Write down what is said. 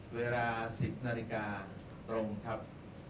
เวลา๑๐นาฬิกาตรงครับ